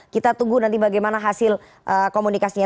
kita tunggu nanti bagaimana hasil komunikasinya